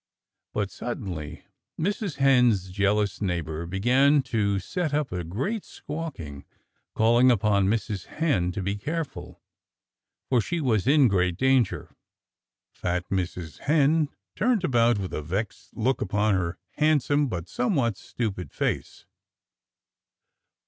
But suddenly Mrs. Hen's jealous neighbor began to set up a great squawking, calling upon Mrs. Hen to be careful, for she was in great danger. Fat Mrs. Hen turned about with a vexed look upon her handsome but somewhat stupid face.